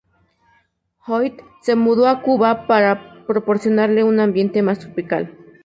Hoyt se mudó a Cuba para proporcionarle un ambiente más tropical.